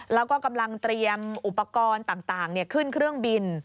แล้วก็กำลังเตรียมอุปกรณ์ต่างขึ้นเครื่องบิน